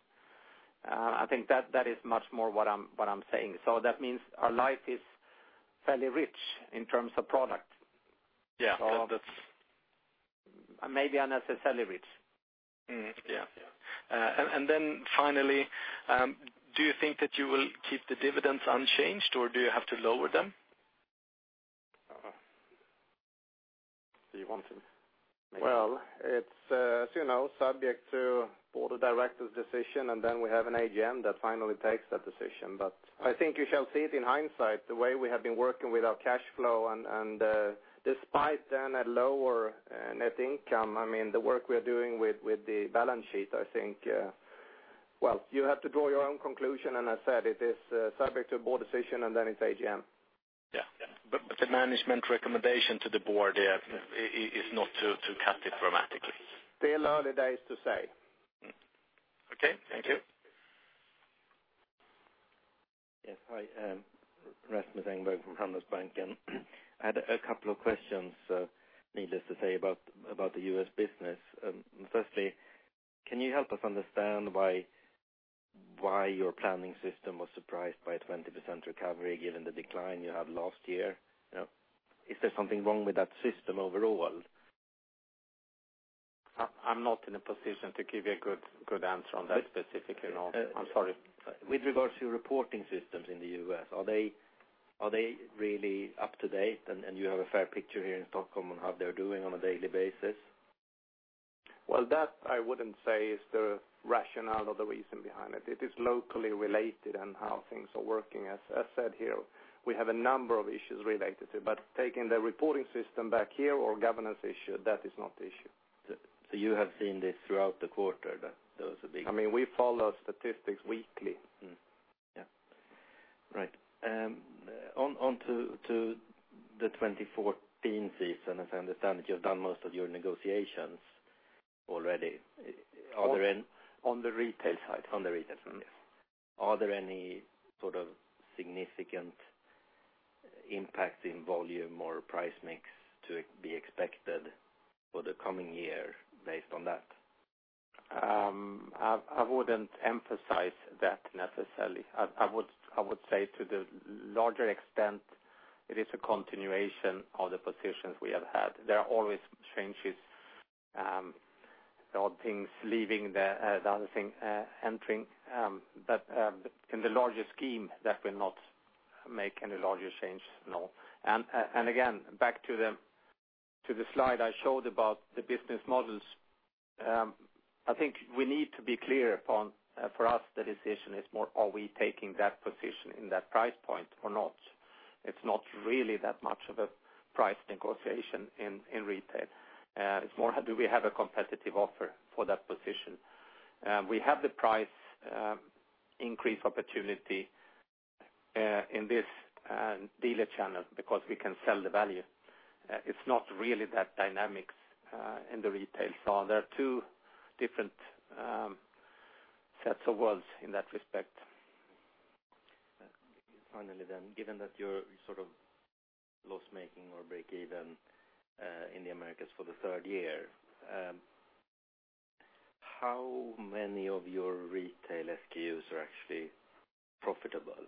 That means our life is fairly rich in terms of product. Yeah. Maybe unnecessarily rich. Finally, do you think that you will keep the dividends unchanged or do you have to lower them? Do you want to? Well, it's subject to board of directors decision. We have an AGM that finally takes that decision. I think you shall see it in hindsight, the way we have been working with our cash flow despite then a lower net income, I mean, the work we are doing with the balance sheet, I think, well, you have to draw your own conclusion. I said it is subject to a board decision, then it's AGM. Yeah. The management recommendation to the board is not to cut it dramatically. Still early days to say. Okay. Thank you. Yes. Hi, Rasmus Engberg from Handelsbanken. I had a couple of questions, needless to say, about the U.S. business. Firstly, can you help us understand why your planning system was surprised by a 20% recovery given the decline you had last year? Is there something wrong with that system overall? I'm not in a position to give you a good answer on that specifically, no. I'm sorry. With regards to your reporting systems in the U.S., are they really up to date and you have a fair picture here in Stockholm on how they're doing on a daily basis? Well, that I wouldn't say is the rationale or the reason behind it. It is locally related on how things are working. As I said here, we have a number of issues related to it, but taking the reporting system back here or governance issue, that is not the issue. You have seen this throughout the quarter. I mean, we follow statistics weekly. Yeah. Right. On to the 2014 season, as I understand it, you've done most of your negotiations already. On the retail side. On the retail side, yes. Are there any sort of significant impacts in volume or price mix to be expected for the coming year based on that? I wouldn't emphasize that necessarily. I would say to the larger extent, it is a continuation of the positions we have had. There are always changes, old things leaving, the other thing entering. In the larger scheme, that will not make any larger change, no. Again, back to the slide I showed about the business models. I think we need to be clear upon, for us, the decision is more, are we taking that position in that price point or not? It's not really that much of a price negotiation in retail. It's more, do we have a competitive offer for that position? We have the price increase opportunity in this dealer channel because we can sell the value. It's not really those dynamics in the retail. There are two different sets of worlds in that respect. Finally, given that you're sort of loss-making or break-even in the Americas for the third year, how many of your retail SKUs are actually profitable?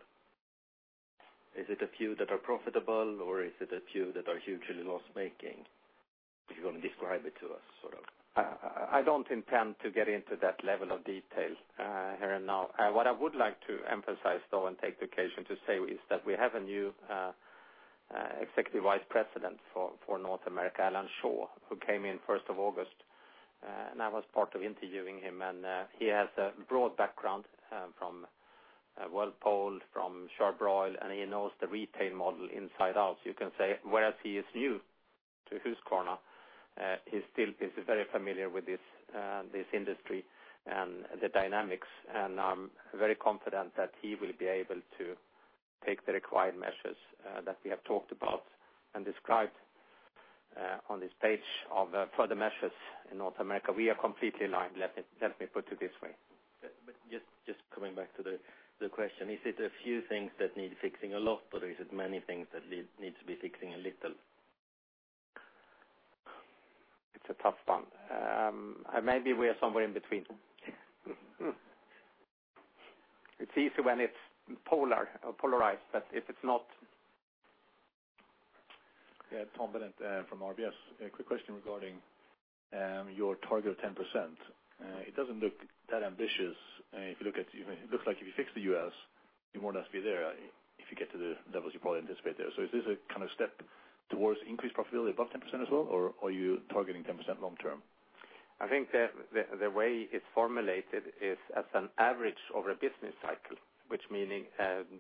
Is it a few that are profitable, or is it a few that are hugely loss-making? If you want to describe it to us. I don't intend to get into that level of detail here and now. What I would like to emphasize, though, and take the occasion to say, is that we have a new Executive Vice President for North America, Alan Shaw, who came in 1st of August. I was part of interviewing him, and he has a broad background from Whirlpool, from Char-Broil, and he knows the retail model inside out, you can say. Whereas he is new to Husqvarna, he still is very familiar with this industry and the dynamics. I'm very confident that he will be able to take the required measures that we have talked about and described on this page of further measures in North America. We are completely aligned, let me put it this way. Just coming back to the question, is it a few things that need fixing a lot, or is it many things that need to be fixing a little? It's a tough one. Maybe we are somewhere in between. It's easy when it's polarized, but if it's not Tom Bennet from RBS. A quick question regarding your target of 10%. It doesn't look that ambitious. It looks like if you fix the U.S., you won't have to be there if you get to the levels you probably anticipate there. Is this a step towards increased profitability above 10% as well, or are you targeting 10% long term? I think the way it's formulated is as an average over a business cycle, which meaning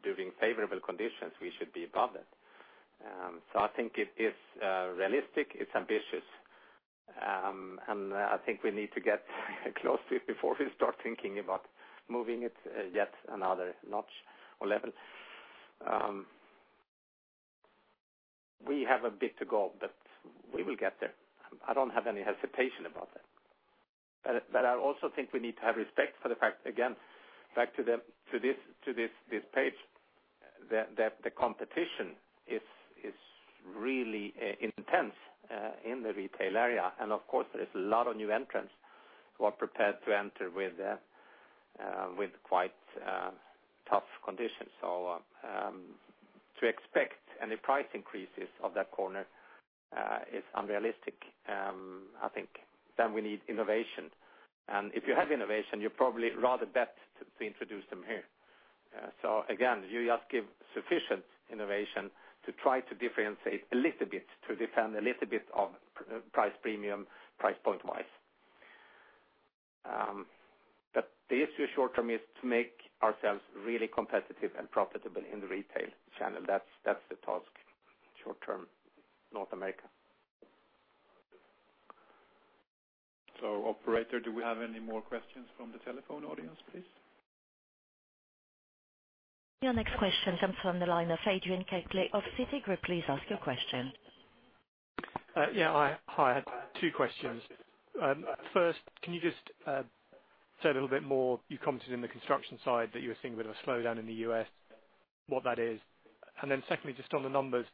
during favorable conditions, we should be above it. I think it is realistic, it's ambitious. I think we need to get close to it before we start thinking about moving it yet another notch or level. We have a bit to go, but we will get there. I don't have any hesitation about that. I also think we need to have respect for the fact, again, back to this page, that the competition is really intense in the retail area. Of course, there is a lot of new entrants who are prepared to enter with quite tough conditions. To expect any price increases of that corner is unrealistic, I think. We need innovation, and if you have innovation, you're probably rather bet to introduce them here. Again, you just give sufficient innovation to try to differentiate a little bit, to defend a little bit of price premium, price point-wise. The issue short-term is to make ourselves really competitive and profitable in the retail channel. That's the task short-term, North America. Operator, do we have any more questions from the telephone audience, please? Your next question comes from the line of Adrian Keatley of Citigroup. Please ask your question. Yeah. Hi. I had two questions. First, can you just say a little bit more, you commented in the construction side that you were seeing a bit of a slowdown in the U.S., what that is. Secondly, just on the numbers,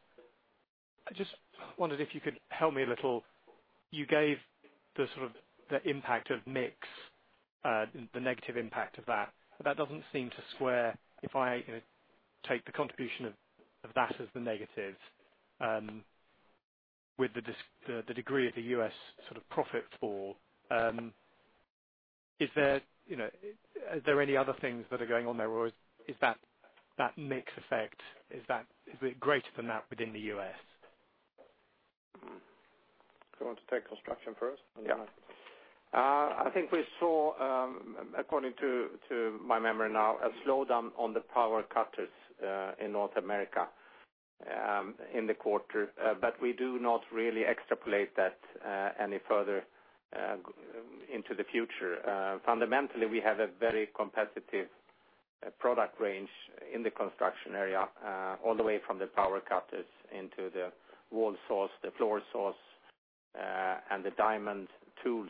I just wondered if you could help me a little. You gave the impact of mix, the negative impact of that. That doesn't seem to square if I take the contribution of that as the negative with the degree of the U.S. profit fall. Are there any other things that are going on there, or is that mix effect, is it greater than that within the U.S.? Do you want to take construction first? Yeah. I think we saw, according to my memory now, a slowdown on the power cutters in North America in the quarter. We do not really extrapolate that any further into the future. Fundamentally, we have a very competitive a product range in the construction area, all the way from the power cutters into the wall saws, the floor saws, and the diamond tools.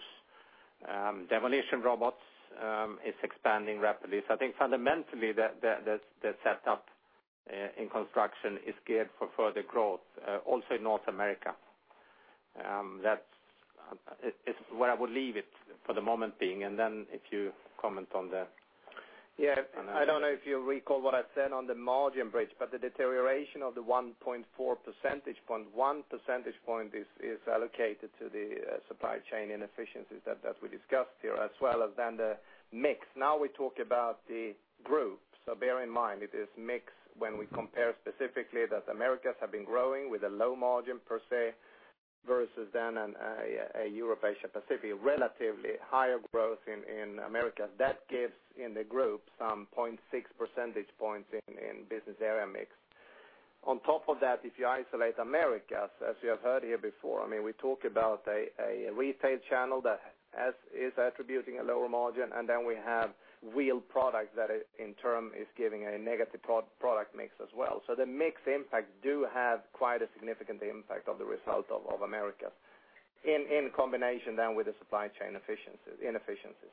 Demolition robots is expanding rapidly. I think fundamentally, the setup in construction is geared for further growth, also in North America. That's where I would leave it for the moment being, if you comment on that. Yeah. I don't know if you recall what I said on the margin bridge, the deterioration of the 1.4 percentage point, 1 percentage point is allocated to the supply chain inefficiencies that we discussed here, as well as the mix. Now we talk about the group. Bear in mind, it is mix when we compare specifically that Americas have been growing with a low margin per se, versus a Europe, Asia-Pacific. Relatively higher growth in Americas. That gives, in the group, some 0.6 percentage points in business area mix. On top of that, if you isolate Americas, as you have heard here before, we talk about a retail channel that is attributing a lower margin, we have wheeled products that in turn is giving a negative product mix as well. The mix impact do have quite a significant impact of the result of Americas, in combination with the supply chain inefficiencies.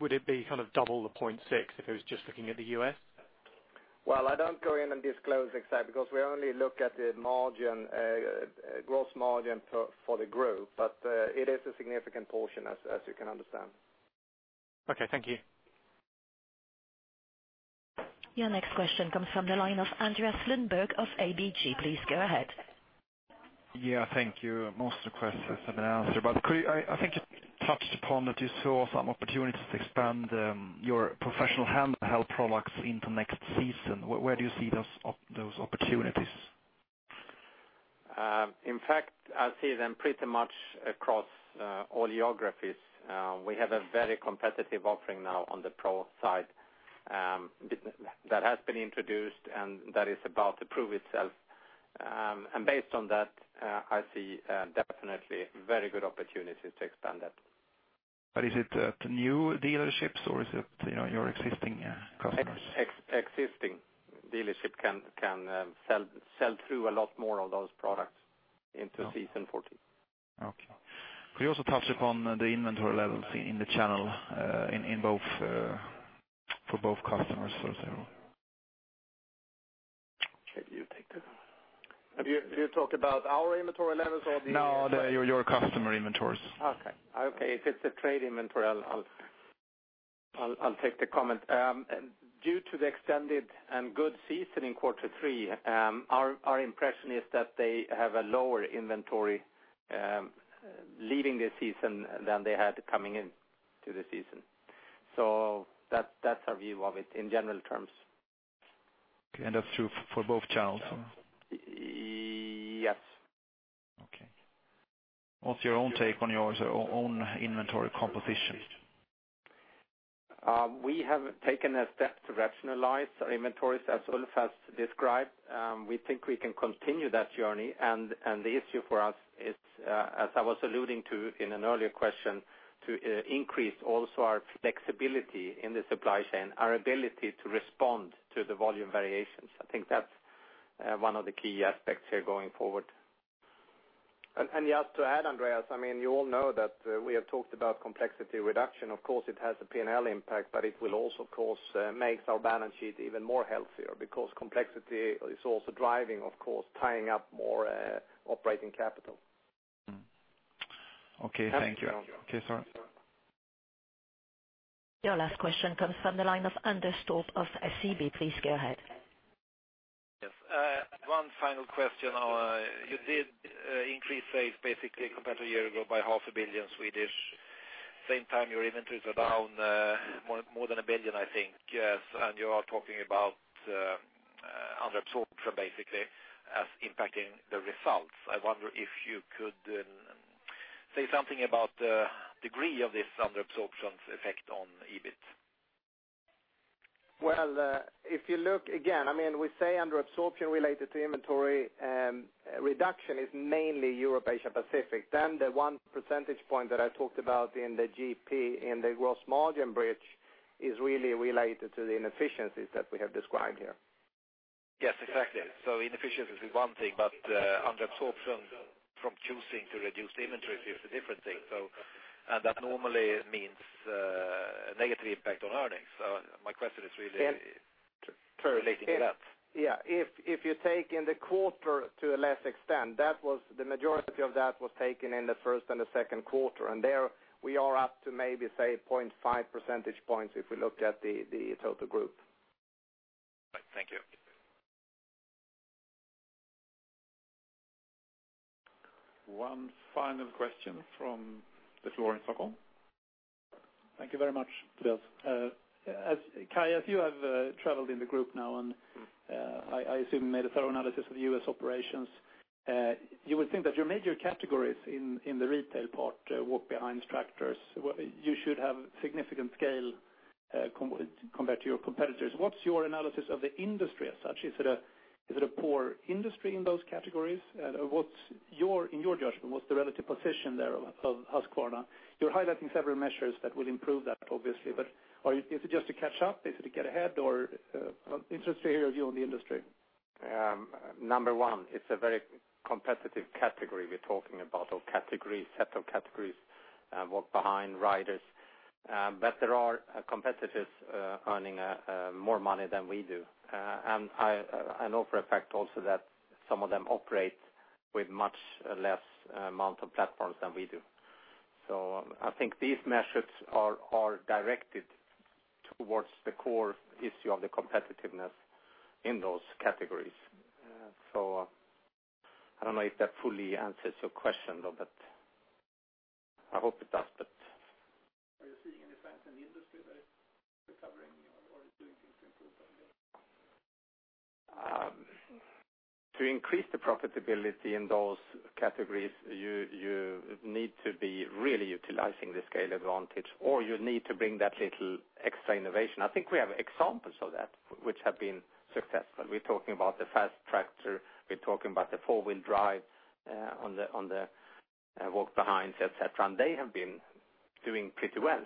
Would it be double the 0.6 if it was just looking at the U.S.? Well, I don't go in and disclose exact, because we only look at the gross margin for the group. It is a significant portion, as you can understand. Okay, thank you. Your next question comes from the line of Andreas Lindberg of ABG. Please go ahead. Yeah, thank you. Most of the questions have been answered, but I think you touched upon that you saw some opportunities to expand your professional handheld products into next season. Where do you see those opportunities? In fact, I see them pretty much across all geographies. We have a very competitive offering now on the pro side that has been introduced, and that is about to prove itself. Based on that, I see definitely very good opportunities to expand that. Is it to new dealerships or is it your existing customers? Existing dealership can sell through a lot more of those products into season 14. Okay. Could you also touch upon the inventory levels in the channel for both customers? Kai, you take that one. Do you talk about our inventory levels or Your customer inventories. Okay. If it's a trade inventory, I'll take the comment. Due to the extended and good season in quarter three, our impression is that they have a lower inventory leaving this season than they had coming into the season. That's our view of it in general terms. Okay, that's true for both channels? Yes. Okay. What's your own take on your own inventory composition? We have taken a step to rationalize our inventories, as Ulf has described. We think we can continue that journey, the issue for us is, as I was alluding to in an earlier question, to increase also our flexibility in the supply chain, our ability to respond to the volume variations. I think that's one of the key aspects here going forward. Just to add, Andreas, you all know that we have talked about complexity reduction. Of course, it has a P&L impact, it will also, of course, make our balance sheet even more healthier, because complexity is also driving, of course, tying up more operating capital. Okay, thank you. Your last question comes from the line of Anders Torp of SEB. Please go ahead. Yes. One final question. You did increase sales basically compared to a year ago by half a billion SEK. Same time, your inventories are down more than 1 billion, I think. Yes, you are talking about underabsorption basically as impacting the results. I wonder if you could say something about the degree of this underabsorption's effect on EBIT. Well, if you look again, we say underabsorption related to inventory reduction is mainly Europe, Asia-Pacific. The one percentage point that I talked about in the GP, in the gross margin bridge, is really related to the inefficiencies that we have described here. Yes, exactly. Inefficiencies is one thing, underabsorption from choosing to reduce the inventory is a different thing. That normally means a negative impact on earnings. My question is really relating to that. Yeah. If you take in the quarter to a less extent, the majority of that was taken in the first and the second quarter, and there we are up to maybe, say, 0.5 percentage points if we looked at the total group. Right. Thank you. One final question from the floor in Stockholm. Thank you very much. Kai, as you have traveled in the group now, and I assume made a thorough analysis of the U.S. operations, you would think that your major categories in the retail part, walk-behind tractors, you should have significant scale compared to your competitors. What's your analysis of the industry as such? Is it a poor industry in those categories? In your judgment, what's the relative position there of Husqvarna? You're highlighting several measures that will improve that, obviously, is it just to catch up? Is it to get ahead? I'm interested to hear your view on the industry. Number one, it's a very competitive category we're talking about, or set of categories, walk-behind riders. There are competitors earning more money than we do. I know for a fact also that some of them operate with much less amount of platforms than we do. I think these measures are directed towards the core issue of the competitiveness in those categories. I don't know if that fully answers your question, but I hope it does. Are you seeing any signs in the industry that it's recovering or doing things to improve? To increase the profitability in those categories, you need to be really utilizing the scale advantage, or you need to bring that little extra innovation. I think we have examples of that which have been successful. We're talking about the garden tractor, we're talking about the four-wheel drive on the walk-behinds, et cetera. They have been doing pretty well.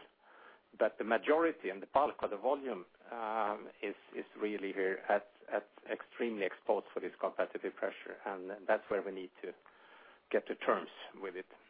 The majority and the bulk of the volume is really here at extremely exposed for this competitive pressure, and that's where we need to get to terms with it.